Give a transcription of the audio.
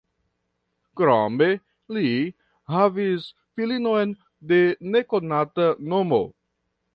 Krome li havis filinon de nekonata nomo.